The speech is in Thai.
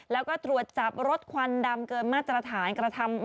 แล้วก็ตรวจจับรถควันดำเกินมาตรฐานกระทำ